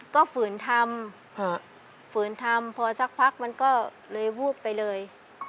ก็ฝืนทำฝืนทำพอสักพักมันก็เลยวูบไปเลย